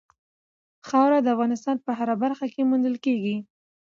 خاوره د افغانستان په هره برخه کې موندل کېږي.